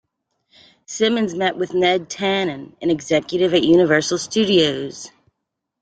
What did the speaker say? Simmons met with Ned Tanen, an executive at Universal Studios.